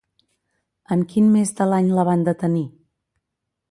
En quin mes de l'any la van detenir?